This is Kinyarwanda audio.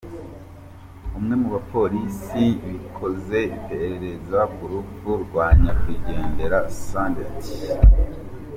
Umwe mu bapolisi bakoze iperereza ku rupfu rwa nyakwigendera ,Sgt.